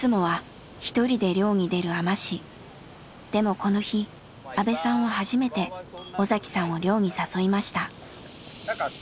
でもこの日阿部さんは初めて尾さんを漁に誘いました。